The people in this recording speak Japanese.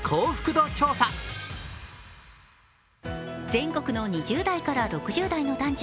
全国の２０代から６０代の男女